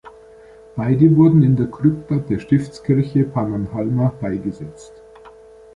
Beide wurden in der Krypta der Stiftskirche Pannonhalma beigesetzt.